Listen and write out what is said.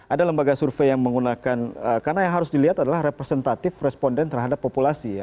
ada lembaga survei yang menggunakan karena yang harus dilihat adalah representatif responden terhadap populasi ya